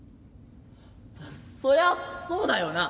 そりゃそうだよな。